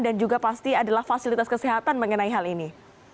dan juga pasti adalah fasilitas kesehatan mengenai hal ini